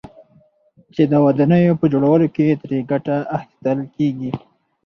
چې د ودانيو په جوړولو كې ترې گټه اخيستل كېږي،